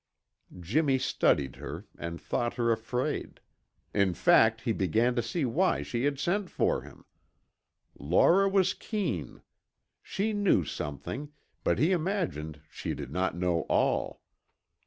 Jimmy studied her and thought her afraid. In fact, he began to see why she had sent for him. Laura was keen; she knew something, but he imagined she did not know all.